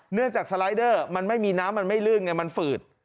จากสไลเดอร์มันไม่มีน้ำมันไม่ลื่นไงมันฝืด